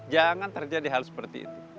jangan terjadi hal seperti itu